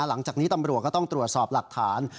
หลังจากนี้ตำรวจก็ต้องตรวจสอบหลักฐาน